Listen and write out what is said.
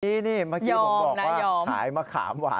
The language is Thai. นี่นี่เมื่อกี้ผมบอกว่า